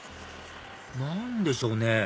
何でしょうね？